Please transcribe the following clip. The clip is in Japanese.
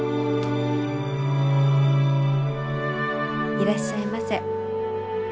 いらっしゃいませ。